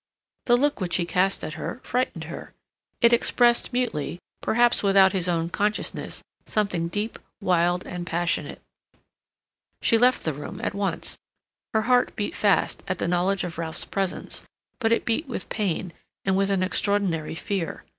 The look which he cast at her frightened her; it expressed mutely, perhaps without his own consciousness, something deep, wild, and passionate. She left the room at once. Her heart beat fast at the knowledge of Ralph's presence; but it beat with pain, and with an extraordinary fear.